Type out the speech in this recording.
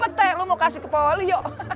petek lo mau kasih ke pak waluyo